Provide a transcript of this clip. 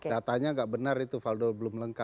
datanya nggak benar itu valdo belum lengkap